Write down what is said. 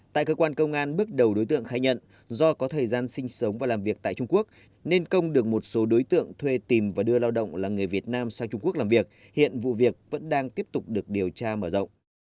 tại cơ quan công an bước đầu đối tượng khai nhận do có thời gian sinh sống và làm việc tại trung quốc nên công được một số đối tượng thuê tìm và đưa lao động là người việt nam sang trung quốc làm việc hiện vụ việc vẫn đang tiếp tục được điều tra mở rộng